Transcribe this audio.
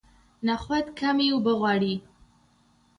نخود کمې اوبه غواړي.